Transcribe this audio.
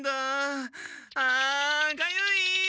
あかゆい！